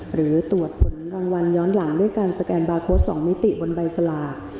หรือตรวจผลรางวัลย้อนหลังด้วยการสแกนบาร์โค้ด๒มิติบนใบสลาก